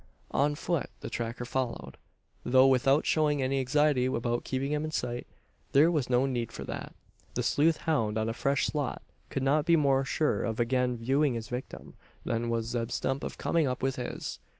On foot the tracker followed; though without showing any anxiety about keeping him in sight. There was no need for that. The sleuth hound on a fresh slot could not be more sure of again viewing his victim, than was Zeb Stump of coming up with his.